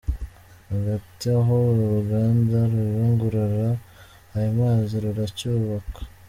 Hagati aho uruganda ruyungurura ayo mazi ruracyubakwa.